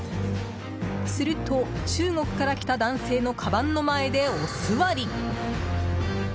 すると中国から来た男性のかばんの前で、おすわり！